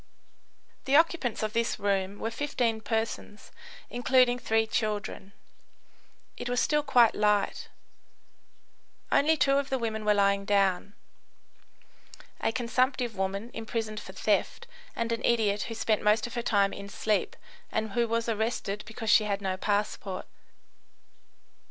The occupants of this room were 15 persons, including three children. It was still quite light. Only two of the women were lying down: a consumptive woman imprisoned for theft, and an idiot who spent most of her time in sleep and who was arrested because she had no passport.